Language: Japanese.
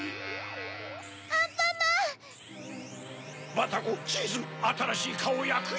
バタコチーズあたらしいカオをやくよ！